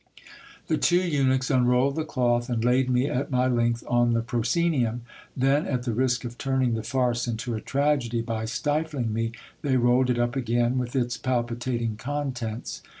The two eunuchs unrolled the cloth, and laid me at my length on the pro scenium ; then, at the risk of turning the farce into a tragedy by stifling me, they rolled it up again, with its palpitating contents.